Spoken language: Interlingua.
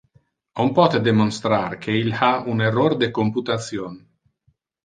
On pote demonstrar que il ha un error de computation.